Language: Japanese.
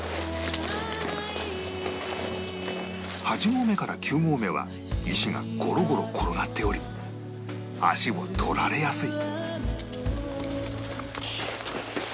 ８合目から９合目は石がゴロゴロ転がっており足を取られやすい